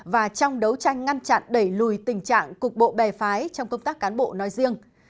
và trong đấu tranh ngăn chặn đẩy lùi tình trạng cục bộ bè phái trong công tác cán bộ nói riêng